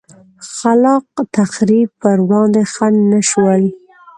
خلا ق تخریب پر وړاندې خنډ نه شول.